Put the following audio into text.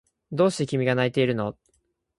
どうして君が泣いているの？